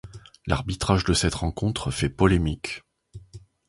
L'arbitrage de cette rencontre fait polémique.